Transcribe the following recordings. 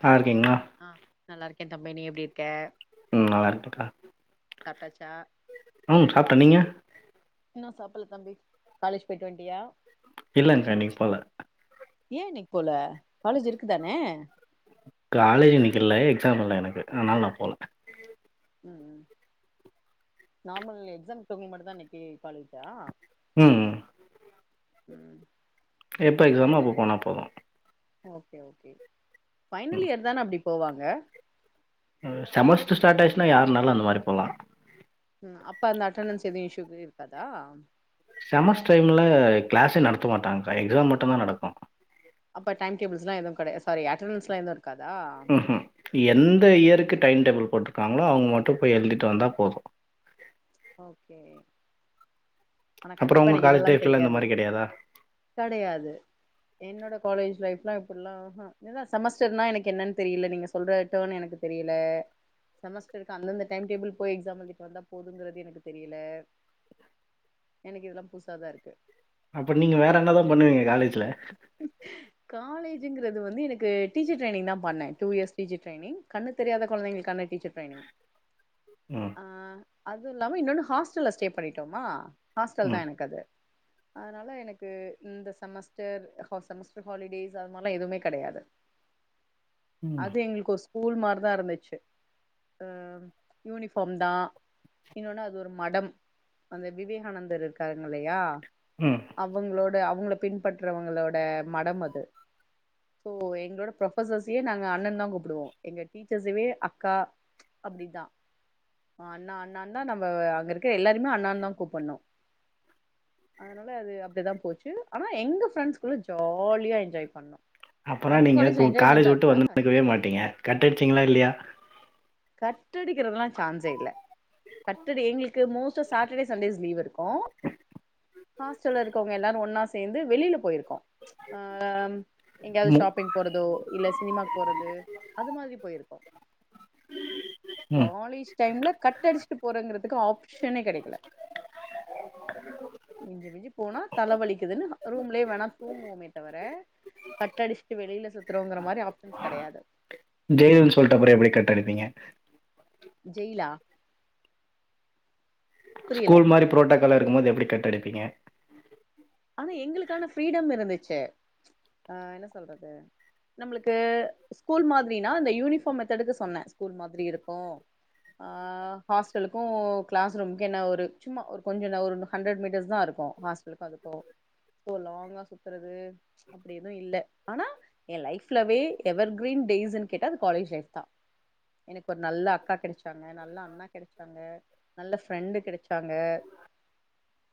பாரு ஆ நல்லா இருக் என் தம்பி நீ எப்டி இருக்க ம் நல்லா இருக்கேக்கா சாப்ட்டச்சா ம் சாப்ட்டே நீங்க சாப்புல்ல தம்பி காலேஜ் போயிட்டு வண்ட்டியா இல்லங்க்கா இன்னிக்கு போல ஏ இன்னிக் போல காலேஜ் இருக்குதானே காலேஜ் இன்னிக்கு இல்ல எக்ஸாம் இல்ல எனக்கு அதனால நா போல ம் ம் நார்மல் எக்ஸம்ருக்கராவாங்க மட்டு தா இன்னிக்கு காலேஜா ம் ம் ம் எப்ப அப்புறம் எக்ஸாமோ அப்ப என்ன போனா போதும் ஓகே ஓகே பைனல் இயர் தான அப்பிடி போவாங்க ம் செமஸ்டர் ஸ்டார்ட் ஆயிச்சுன்னா யாருனாலு அந்த மாரி போலா ம் அப்ப அந்த அட்டணண்ஸ் எதுவு இஷயூ இருக்காதா செமஸ்டர் டைம்ல ல கிளாசே நடத்தமாட்டாங்க கா எக்ஸாம் மட்டுதா நடக்கு அப்ப டைம் டேபுல்ஸ்ல எதுவு கிடையா சாரி அட்டனஸ்ல எதுவு இருக்காதா ம்ம் எந்த இயருக்கு டைன் டேபிள் போட்டுருக்காங்களோ அவங்க மட்டு போய் எழுதிட்டு வந்தா போது ஓகே ஆனா அப்புறம் கண்டிப்பா உங்க என்னைக்கு காலேஜ் இதெல்லா லைஃப்லலாம் இந்த தெரியது மாரி கிடையாதா? கெடையாது என்னோட காலேஜ் லைஃப்ல்ல ஃபுல்லா ம் நீத செமஸ்டர்னா எனக்கு ஏன்னனு தெரில நீங்க சொல்ற டோன்னு எனக்கு தெரில ம் செமஸ்டருக்கு அந்தந்த டைன்டேபுல் போய் எக்ஸாம் ஏழுதிட்டு வந்த போதுகிற எனக்கு தெரியல எனக்கு இதெல்லா புசாதா இருக்கு அப்ப நீங்க வேற என்னதா பண்ணுவிங்க காலேஜ் காலேஜ் ஜிங்கிறது வந்து எனக்கு டீச்சர் ட்ரைங் தா பண்ணே டூ இயர்ஸ் டீச்சர் ட்ரைங் கண்ணு தெரியாத கொழந்தைகளுக்குகாண டீச்சர் ட்ரைனிங் ம். ஆ அதுவு இல்லாம இன்னொன்னு ஹாஸ்டல்ல ஸ்டே பண்ணிட்டோமா ஹாஸ்டல்தா ம். எனக்கு அது அனால எனக்கு இந்த சமஸ் ஸ்டர் செமஸ்டர் ஹாலிடேஸ் அது மாரிலா எதுவுமே கெடையாது ம். அது எங்களுக்குகோஸ் ஸூல் மாரிதா இருந்திச்சி யூனிஃபாம்தா இன்னொன்னு அது ஒரு மடம் அந்த விவேகானந்தர் இருக்காங்க இல்லையா ம். அவங்களோட அவ் உங்கள பின் பட்ரவங்களோட மடம் அது இப்போ எங்களோட ப்ரோபர்சியே நாங்க அண்ணன்தா கூப்புடுவோ எங்க டீச்சர்சையாவே நாங்க அக்கா அப்படிதா அண்ணா அண்ணாத நபா அங்க இருக்க எல்லரையுமே அண்ணா அண்ணாதா கூப்புணு அதனால அனால அது அப்பிடிதா போச்சி ஆ எங்க பிரரெண்ட்ஸ் கூல்ல ஜாலியா என்ஜாய் பண்ணு அப்பனா நீங்க காலேஜ்வுட்டு வந்தனுக்கவே மாட்டீங்க கட்டடிடுச்சீங்களா இல்லயா கட்டடிக்கறதலா சான்ஸே இல்ல கட்டடி எங்களுக்கு மோஸ்சா சாட்டர்டே சண்டேஸ் லீவ் இருக்கு ஹாஸ்டல இருக்கவங்க எல்லோரு ஒன்னா சேந்து வெளியில போய்ருக்கோ ஆ எங்கயாது ம் ஷாப்பிங் போறதோ இல்ல சினிமாக்கு போறது அது மாரி போய்ருக்கோ ம் காலேஜ் டைம்ல கட்டடிச்சிட்டு போறங்கறதுக்கு ஆப் சனே கெடக்கல இஞ்சி மிஞ்சி போனா தலவலிக்குதுனு ரூம்லே வேணா தூங்குவோமே தவிர கட்டடிச்சிட்டு வெளில சுத்துறோங்கற மாரி ஆப்ஷன்ஸ் கெடையாது ஜெய்ல்னு சொல்ட்டப்பற எப்டி கட்டடுப்பீங்க ஜெய்லா ஸ்கூல் மாரி ப்ரோட்ட கல இருக்குமோது எப்டி கட்டடுப்பீங்க ஆனா எங்களுக்கான ஃப்ரீடம் இருந்துச்சு ஆ என்ன சொல்றது நம்பளுக்கு ஸ்கூல் மாதிரினா இந்த யூனிஃபார்ம் மெத்தடுக்கு சொன்ன ஸ்கூல் மாதிரி இருக்கும் ஆ ஹாஸ்டலுக்கும் க்ளாஸ் ரூமுக்கு என்ன ஒரு சும்மா ஒரு கொஞ்ச ஒரு ஹண்ட்ர்ட் மீட்டர்ஸ் தா இருக்கு ஹாஸ்டலுக்கு அதுக்கு ஓ லாங்கா சுத்துறது அப்டி எது இல்ல ஆனா எ ஃலைப்லவே எவர் கிரீன் டேஸ்சு கேட்ட அது காலேஜ் ஃலைப் தா எனக்கு ஒரு நல்ல அக்கா கெடச்சாங்க நல்ல அண்ணா கெடச்சாங்க நல்ல ஃப்ரெண்டு கெடச்சாங்க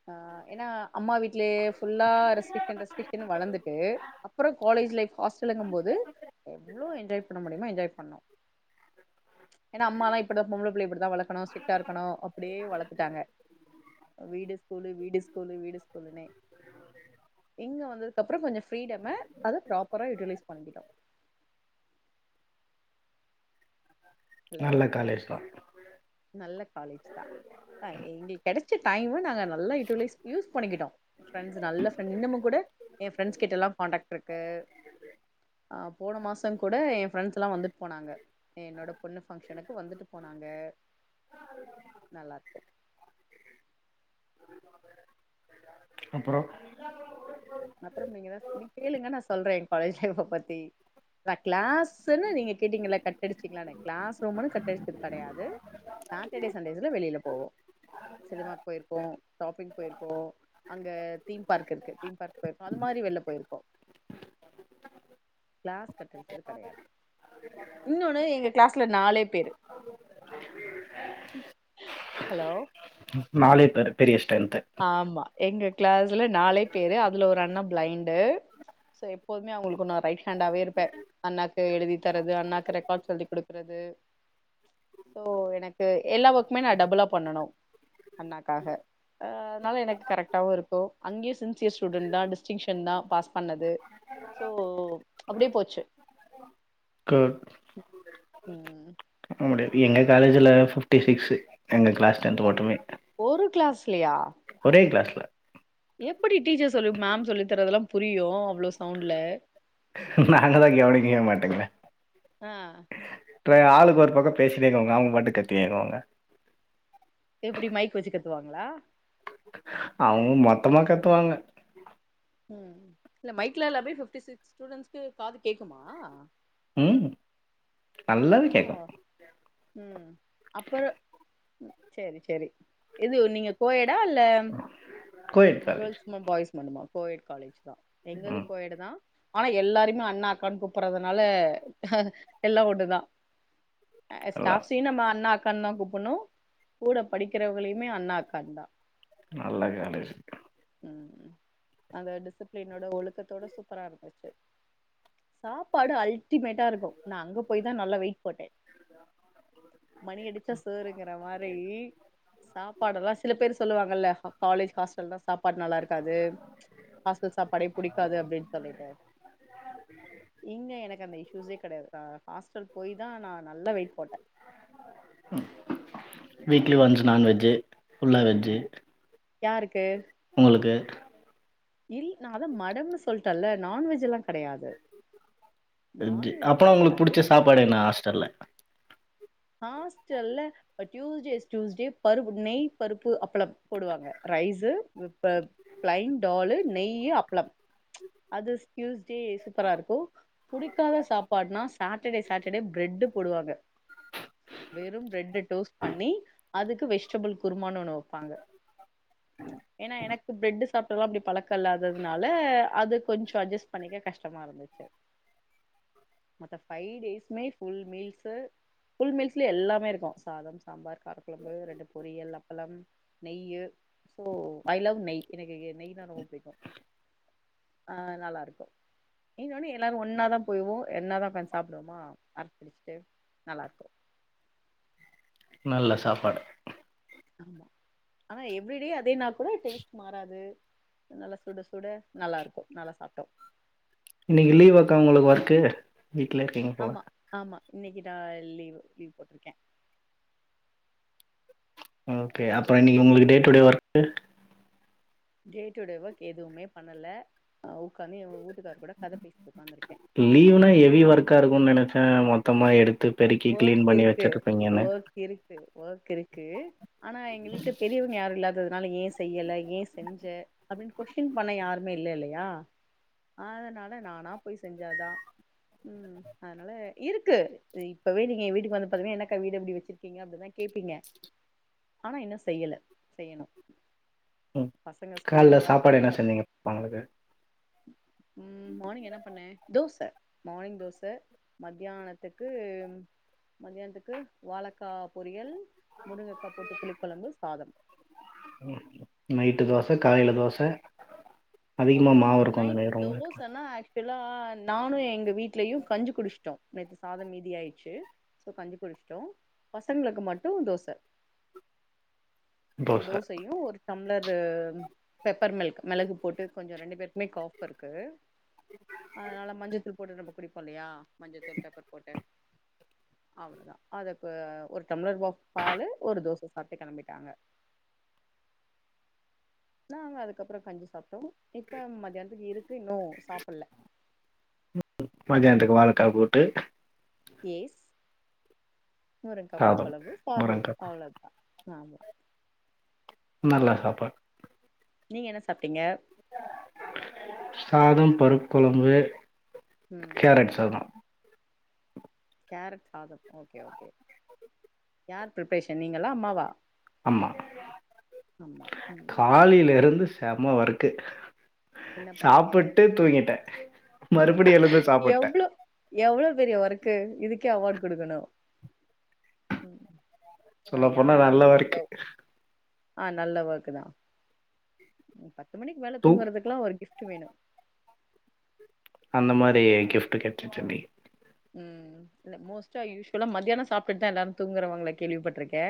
ஆ ஏனா அம்மா வீட் க்லேஃப் ஃபுல்லா ரசிக்கேன் ரசிக்கேன் வளந்து க்கு அப்புற காலேஜ் லைஃப் ஹாஸ்டல்ங்கபோது எவ்ளோ என்ஜாய் பண்ண முடியுமோ என்ஜாய் பண்ணோ ஏனா அம்மா லா இப்டு பொம்பள புள்ளய இப்டிதா வளக்கணு ஸ்டிட்டா இருக்கணு அப்டியே வளத்தாங்க வீடு ஸ்கூலு வீடு ஸ்கூலு வீடு இங்க வந்ததுக்கப்பற கொஞ்ச ஃப்ரீடம்மா அத ப்ராப்பரா யூட்டிலைஸ் பண்ணிட்டோ நல்ல காலேஜ் தா நல்ல காலேஜ்தா அ எங்களுக் கெடச்ச டைம்மு நாங்க நல்ல யூட்டலைஸ் யூஸ் பண்ணிக்கிட்டோ ஃப்ரண்ட்ஸ் நல்ல ஃப்ரண்ட்ஸ் இன்னமு கூட ஏ ப் ஃப்ரெண்ட்ஸ் கிட்டலா கான்டக்ட்ருக்கு அ போன மாச கூட ஏ ஃப்ரெண்ட்ஸ்லா வந்துட் போனாங்க என்னோட பொண்ணு ஃபங்ஷனுக்கு வந்துட்டு போனாங்க நல்லாருக்கு அப்பற அப்பற நீங்கதா நீ கேளுங்க நா சொல்றே என் காலேஜ் லைஃப்ப பத்தி கண் க்ளாஸ்சுனு நீங்க கேட்டீங்கலா கட்டடிச்சு டிக்லானு க்ளாஸ் ரூம்முனு கட் அடிச் கெடையாது சாட்டடே சண்டேஸ்ல வெளியல போவோ சினிமா போய்ருக்கோ ஷாப்பிங் போய்ருக்கோ அங்க தீம் பார்க் இருக்கு தீம் பார்க் அது மாரி வெள்ள போய்ருக்கோ க்ளாஸ் கட்டச்சது கெடயாது இன்னொன்னு எங்க க்ளாஸ்ல நாலே பேரு ஹலோ நாலே பேரு பெரிய இஷ் ஆம்மா எங்க க்ளாஸ்ல நாலே பேரு அதுல ஒரு அண்ண பிளைண்டு எப்போதுமே அவங்களு ஒன்ன ரைட் ஹண்டாவே இருப்பே அண்ணாக்கு எழுதி தரது அண்ணாக்கு ரெக்கார்ட் சொல்லி குடுக்குறது சோ எனக்கு எல்லா வொக்குமே நா டபுளா பண்ணனு அண்ணாக்காக அதனால எனக்கு கரெட்டாவு இருக்கு அங்கியு சின்சியர் ஸ்டூடண்ட் தா டிஸ்டிங்ஷன் தா பாஸ் பண்ணது சோ அப்டியே போச்சு க ம் முடியாது எங்க காலேஜ்ல ஃபிஃப்ட்டி சிக்ஸு எங்க கிளாஸ் டென்த் மட்டுமே கிலியா ஏ கிளாஸ் ல எப்டி டீச்சர் சொல்லி மேம் சொல்லித்தரதெல்லா புரியு அவ்ளோ சவுண்ட்ல நாங்கதா கெவனிகவே மாட் டம்மே ஆ ட்ரே ஆளுக்கு ஒரு பக்கோ பேசினே இருக்கவ்ங்க அவ்ங்க பாட்டுக்கு கத்தினே இருக்கவ்ங்க எப்டி மைக் வச்சி கத்துவாங்களா அவ்ங்க மொத்தமா கத்துவாங்க ம் இல்ல மைக்ல எல்லாமே ஃபிஃப்டி சிக்ஸ் ஸ்டூடண்ஸ்க்கு காது கேக்குமா ம் நல்லாவே ஆ கேக்கும் ம் அப்பறோ செரி செரி இது நீங்க கோ எட் ட இல்ல கோயட் காலேஜ் கேள்ஸூமா பாய்ஸ் மட்டுமா கோயெட் காலேஜ் ம் எங்கதும் கோயெடு தா ஆ எல்லாரையுமே அண்ணா அக்கானு கூப்பறதுனால அது எல்லா ஒண்ணுதா அ எல்லாம் ஸ்டாப்சே நம்ம அண்ணாக் கண்ணா கூப்புண்ணு கூட படிகிறவுகளையுமே அண்ணா அக்கான் தா நல்ல காலேஜ் ம் அந்த டிசிப்ளினோட ஒழுக்கத்தோட சூப்பரா இருந்துச்சு சாப்பாடு அல்டிமேட்டாருக்கும் நா அங்க போய் தா நல்லா வெய் போட்டேன் மணி அடிச்சா சோருங்கற மாரி சாப்பாடெல்லா சில பேர் சொல்லுவாங்கல்ல ஹ காலேஜ் ஹாஸ்டல்லா சாப்பாடு நல்லாருக்காது ஹாஸ்டல் சாப்பாடே புடிக்காது அப்டின் சொல்லிட்டு இங்க எனக்கு அந்த இஷூஸே கெடையாது கா ஹாஸ்டல் போய் தா நா நல்ல வெயிட் போட்ட வீக்லி ஒன்ஸ் நான்வெஜு ஃபுலா வெஜு யாருக்கு உங்களுக்கு இல் நா அதா மடம்னு சொல்டன்ல நான்வெஜ்லா கெடயாது அப்பா உங்ளுக் புடிச்ச சாப்பாடு என்ன தா ஹஸ்டல்ல ஹாஸ்டல்ல அ டூஸ்டேஸ் டூஸ்டே பருப்பு நெய் பருப்பு அப்பளம் போடுவாங்க ரைஸு விப் பப் ப்ளைன் டாலு நெயி அப்ளம் அதுஸ் டூஸ்டே சூப்பராருக்கும் புடிகாத சாப்பாடுனா சாட்டர் டே-சாட்டர்டே பிரட் போடுவாங்க வெறு பிரட்டு டோஸ் பண்ணி அதுக்கு வெஜ்டேபில் குருமானு ஒன்னு வப்பாங்க எனா எனக்கு பிரட்டு சாப் பொதுவா அப்டி பழக்கல்ல அது அதுனால அது கொஞ்சோ அஜ்ஜஸ் பண்ணிக கஷ்டமா இருந்துச்சு மத்த ஃபை டேஸ்ஸுமே ஃபுல் மீல்ஸு ஃபுல் மீல்ஸ்லே எல்லாமேருக்கு சாதம் சாம்பார் காரகொழம்பு ரெண்டு பொரியல் அப் லம் நெய்யு சோ ஐ லவ் நெய் எனக்கு நெய்னா ரொம்ப பிடிக்கு ஆ நல்லாருக்கு இன்னொன்னு எல்லாரு ஒன்னாதா போய்வோ என்னாதா ஒக்காந்து சாப்டுவோமா [unintelligible] பிடிச்சுட்டு நல்லாருக்கு நல்ல சாப்பாடு ஆமா ஆனா எவ்ரிடே அதேனா கூட டேஸ்ட் மாறாது நல்லா சுட சுட நல்லாருக்கு நல்லா சாப்டோ இன்னைக்கு லீவ் அக்கா உங்களுக்கு ஒர்க்கு வீட்ல இருக்கீங்க போல இன்னைக்குதா லீவு லீவ் போட்ருக்கே ஓகே அப்ப இன்னைக்கு உங்களுக்கு day to day work day to day work எதுவுமே பண்ணல உக்காந்து எங்குட் லீவ்னா எவி ஒர்க்கா இருக்கோனு நெனச்சே மொத்தமா எடுத்து பெருக்கி கிளீன் பண்ணி வெச்சிருப்பீங்கனு ஓர்க் இருக்கு ஆனா எங்க வீட்ல பெரியவங்க யாரு இல்லாதது நாலிக்கு ஏ செய்யல ஏன் செஞ்ச அப்பிடினு கொஸ்சின் பண்ண யாருமே இல்லலியா அதனால நானா போய் செஞ்சாதா ம் அதனால இருக்கு இப்பவே நீங்க ஏ வீட்டுக்கு வந்து பாத்தீங்கனா என்னக்கா வீடுப்பிடி வெச்சிருக்கீங்க அப்பிடினுதா கேப்பீங்க ஆனா இன்னு செய்யல செய்யணு ம் பசங்க ஸ்கூல்ல கால்ல இருந்து சாப்பாடு வரத்துக்குள்ள என்ன செஞ்சீங்க எல்லாத்தையு [unintelligible] ம் மார்னிங் என்ன பண்ணே தோச மார்னிங் தோச மத்தியானத்துக்கு மத்தியானத்துக்கு வாழக்கா பொரியல் முருங்கக்கா போட்டு புளிக்ககொழம்பு சாதம் ம் நை ட்டு தோச காலில தோச அதிகமா மாவுருக்கு [unintelligible] ல்லா நானு எங்க வீட்லயு கஞ்சி குடிச்சிட்டோ நேத்து சாதம் மீதி ஆய்டுச்சு சோ கஞ்சு குடிச்சிட்டோ பசங்களுக்கு மட்டும் தோச தோசை. தோசயு ஒரு டம்ளரு பெப்பர் மில்க் மெளகு போட்டு கொஞ்ஜோ ரெண்டு பேருக்குமே காஃப் இருக்கு அதனால மஞ்சத்தூள் போட்டு நம்ம குடிப்போலியா மஞ்சதூள் பெப்பர் போட்டு அவ்ளோதா அதுக் ஒரு டம்ளர் பாலு ஒரு தோச சாப்புட்டு கெளம்பிட்டாங்க நாங்க அதுக்கப்றோ கஞ்சி சாப்டோ இப்ப மத்தியான்துக்கு இருக்கு இன்னு சாப்பில வாழக்கா கூட்டு ஏஸ் முருங்கா புளி சாதம், கொழம்பு சாதம் முருங்கக்காய். அவ்ளோதா ஆமா நல்ல சாப்பாட் நீங்க என்ன சாப்டீங்க சாதம் பருப் கொலம்பு ம் கேரட் சாதம் கேரட் சாதம் ஓகே ஓகே யார் ப்ரேப்ஷன் நீங்களா அம்மாவா அம்மா அம்மா ம் காலில் இருந்து செமா வரூக்கு என்ன பண்ணீங்க சாப்புட்டு தூங்கிட்டே மறுபடிய எழுந்து சாப்புட்டே எவ்ளோ எவ்ளோ பெரிய வொர்க்கு இதுக்கே அவார்டு கொடுக்கணும் சொல்ல போனா நல்ல வருக்கு ஆ நல்ல வர்க்கு தா மணிக் வேல தூங்கறதுக் ஒரு கிஃப்ட் வேணும் அந்த மாரி கிஃப்ட் கெட்ச்சுச்சி அண்ணி ம் இ மோஸ்ட்டா யூஸ்வலா மத்தியான சாப்ட்டுதா எல்லாரு தூங்கறவங்கள கேள்விப்பட்டுருக்கே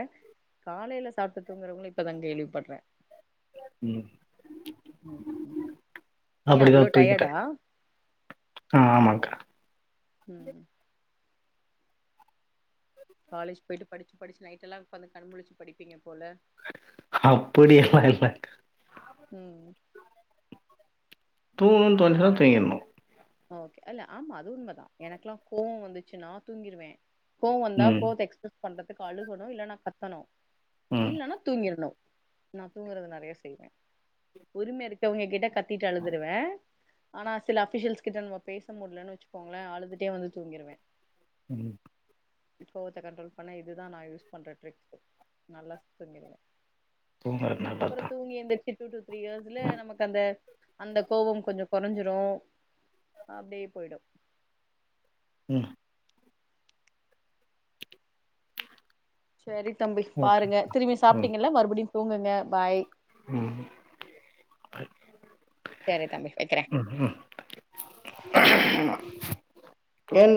காலையல சாப்ட்டு தூங்கறவங்களும் இப்பதா கேள்விப்படறே ம் ம் ஏ அப்டிதா அவ்ளோ தூங்கிட்டே டயர்டா ம் ஆமாக்கா ம் காலேஜ் போயிட்டு படிச் படிச்சு நைட்ல்லா இப்வந்து கண் முழச்சு படிப்பீங்க போல அப்டியல்லா இல்ல ம் தூங்கனோன் தோணுச்சுன தூங்கிருணு ஆ ஓகே இல்ல ஆமா அது உண்மைதா எனக்கெல்லா கோவ வந்துச்சுன்ன தூங்கிருவே கோவம் வந்தா ம். கோவத்த எக்ஸ்பிரஸ் பண்றதுக்கு அழுகணு இல்லனா கத்தணு ம். இல்லன்னா தூங்கிரூணு நா தூங்கறத நெறைய செய்வே உரிமை இருக்கவங்க எங்கிட்ட கத் த்திட்டு அழுதுருவே ஆனா சில அஃப்ஷியல்ஸ் எங்கிட்ட நம்ம பேச முடியலன்னு வச்சுக்கோங்களே அழுதுட்டே வந்து தூங்கிரூவே ம் கோவத்த கண்ட்ரோல் பண்ண இதுதா நா யூஸ் பண்ற ட்ரிக்ஸ் நல்லா ஸ் தூங்கிருவே துங்கரது நல்லது தா டூ டு த்ரீ இயர்ஸ்ல நமக்கு அந்த அந்த கோவம் கொஞ்ச கொறைஞ்சிரும் ஆ அப்டியே போயிடு உம் சரி தம்பி ஓகே. பாருங்க திரும்பி சாப்டீங்கள்ள மறுபடியு தூங்குங்க பாய் உம் பை சேரி தம்பி வெக்குறே என்